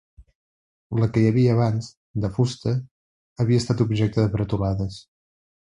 La que hi havia abans, de fusta, havia estat objecte de bretolades.